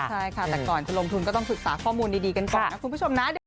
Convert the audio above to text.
ใช่ค่ะแต่ก่อนจะลงทุนก็ต้องศึกษาข้อมูลดีกันก่อนนะคุณผู้ชมนะ